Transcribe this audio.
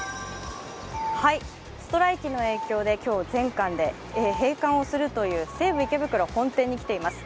ストライキの影響で今日、全館で閉館するという西武池袋本店に来ています。